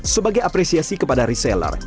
sebagai apresiasi kepada reseller